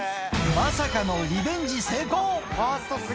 まさかのリベンジ成功。